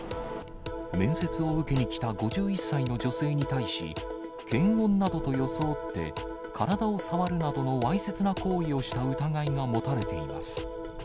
面接を受けに来た５１歳の女性に対し、検温などと装って、体を触るなどのわいせつな行為をした疑いが持たれています。